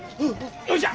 よっしゃ！